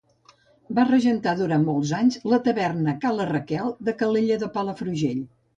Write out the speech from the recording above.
Va regentar durant molts anys la taverna Ca la Raquel de Calella de Palafrugell.